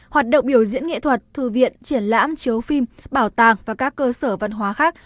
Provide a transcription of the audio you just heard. hoạt động biểu diễn nghệ thuật thư viện triển lãm chiếu phim bảo tàng và các cơ sở văn hóa khác